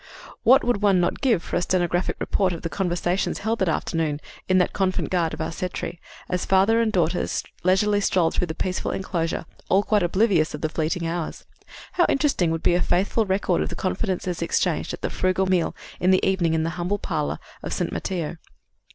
What would one not give for a stenographic report of the conversations held that afternoon in the convent garden of Arcetri, as father and daughters leisurely strolled through the peaceful enclosure, all quite oblivious of the fleeting hours? How interesting would be a faithful record of the confidences exchanged at the frugal meal in the evening in the humble parlor of S. Matteo!